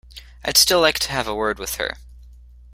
I'd still like to have a word with her.